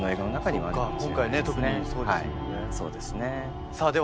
今回ね特にそうですもんね。